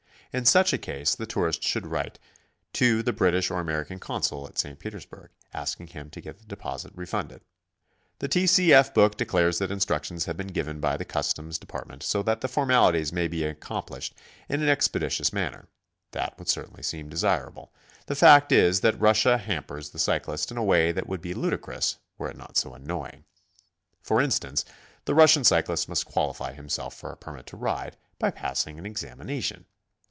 In such a case the tourist should write to the British or American consul at St. Petersburg, asking him to get the deposit refunded. The T. C. F. book declares that instructions have been given by the Customs Department so that the formalities may be accomplished in an expedi tious manner. That would certainly seem desirable. The fact is that Russia hampers the cyclist in a way that would be ludicrous were it not so annoying. For instance, the Rus sian cyclist must qualify himself for a permit to ride, by passing an examination.